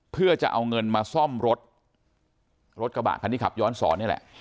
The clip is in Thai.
เพื่อจะเอาเงินมาซ่อมรถรถกระบะคันที่ขับย้อนสอนนี่แหละ